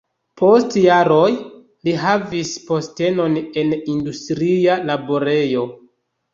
Post jaroj li havis postenon en industria laborejo.